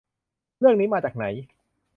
เรื่องนี้มาจากไหน